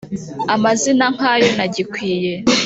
amazina nka yo ntagikwiye,